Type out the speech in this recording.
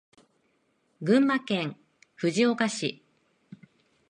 群馬県藤岡市